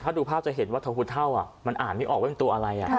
ถ้าดูภาพจะเห็นว่าทะหูเท่ามันอ่านไม่ออกว่าเป็นตัวอะไร